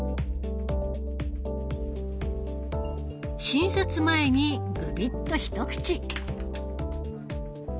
診察前にグビッとひと口！